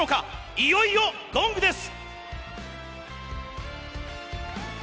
いよいよゴングです！